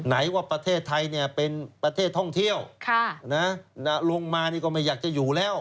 ไหนว่าประเทศไทยเนี่ยเป็นประเทศท่องเที่ยวลงมานี่ก็ไม่อยากจะอยู่แล้ว